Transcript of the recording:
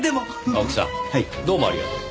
青木さんどうもありがとう。